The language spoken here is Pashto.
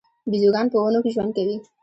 بیزوګان په ونو کې ژوند کوي